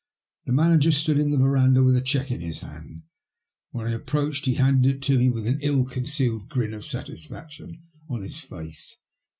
The manager stood in the verandah with a cheque in his hand. When I approached he handed it to me with an ill concealed grin of satisfac tion on his face.